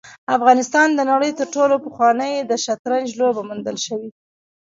افغانستان د نړۍ تر ټولو پخوانی د شطرنج لوبه موندل شوې